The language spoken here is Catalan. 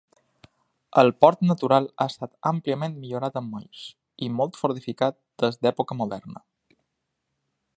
El port natural ha estat àmpliament millorat amb molls, i molt fortificat des d'època moderna.